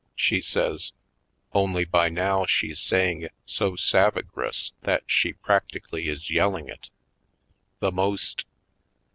she says; only by now she's saying it so savigrous that she practically is yelling it. "The most